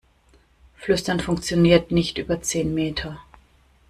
Flüstern funktioniert nicht über zehn Meter.